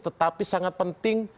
tetapi sangat penting